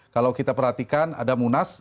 kalau kita perhatikan ada munas